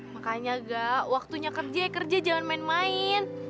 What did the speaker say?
makanya enggak waktunya kerja ya kerja jangan main main